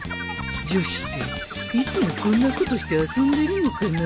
女子っていつもこんなことして遊んでるのかな？